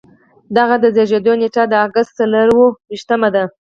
د هغه د زیږیدو نیټه د اګست څلور ویشتمه ده.